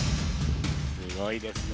すごいですね。